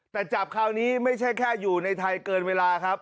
แต่จับคราวนี้ไม่ใช่แค่อยู่ในไทยเกินเวลาครับ